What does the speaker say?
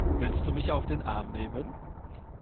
Willst du mich auf den Arm nehmen?